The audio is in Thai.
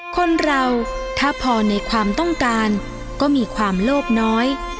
คนเราถ้าพอในความต้องการก็มีความโลภน้อย